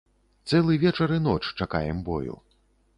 Цэлы вечар і ноч чакаем бою.